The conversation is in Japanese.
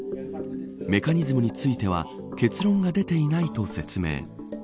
メカニズムについては結論が出ていないと説明。